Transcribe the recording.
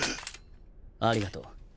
ありがとう。